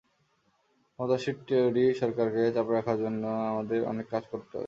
ক্ষমতাসীন টোরি সরকারকে চাপে রাখার জন্য আমাদের অনেক কাজ করতে হবে।